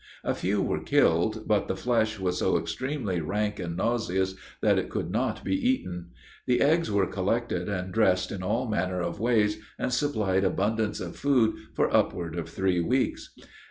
A few were killed, but the flesh was so extremely rank and nauseous that it could not be eaten. The eggs were collected and dressed in all manner of ways, and supplied abundance of food for upward of three weeks.